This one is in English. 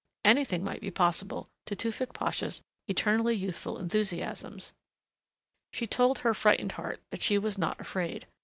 Anything might be possible to Tewfick Pasha's eternally youthful enthusiasms. She told her frightened heart that she was not afraid....